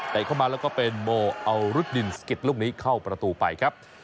เข้ามาแล้วก็เป็นโมเอารุดดินสเก็ดลูกนี้เข้าประตูไปครับ